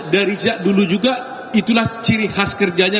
dari dulu juga itulah ciri khas kerjanya